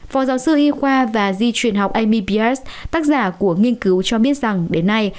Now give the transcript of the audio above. phó giáo sư y khoa và di truyền học amibis tác giả của nghiên cứu cho biết rằng đến nay